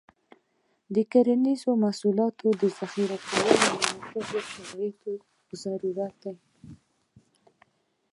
د کرنیزو محصولاتو د ذخیره کولو مناسب شرایط ضروري دي.